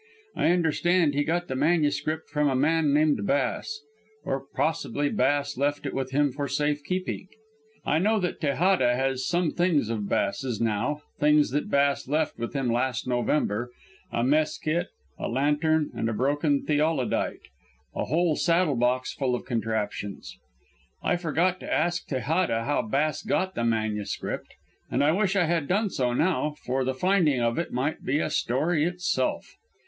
I understand he got the manuscript from a man named Bass, or possibly Bass left it with him for safe keeping. I know that Tejada has some things of Bass's now things that Bass left with him last November: a mess kit, a lantern and a broken theodolite a whole saddle box full of contraptions. I forgot to ask Tejada how Bass got the manuscript, and I wish I had done so now, for the finding of it might be a story itself.